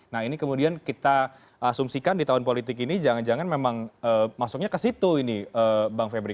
nah ini kemudian kita asumsikan di tahun politik ini jangan jangan memang masuknya ke situ ini bang febri